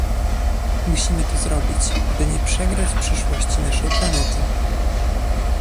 Musimy to zrobić, by nie przegrać przyszłości naszej planety